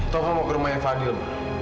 taufan mau ke rumahnya fadil ma